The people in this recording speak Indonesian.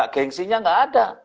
gengsinya gak ada